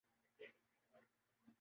اسلوب اور الفاظ پر گرفت حاصل ہے